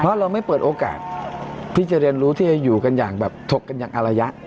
เพราะเราไม่เปิดโอกาสที่จะเรียนรู้ที่จะอยู่กันอย่างแบบถกกันอย่างอารยะ